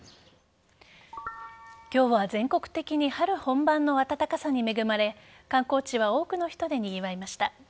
今日は全国的に春本番の暖かさに恵まれ観光地は多くの人でにぎわいました。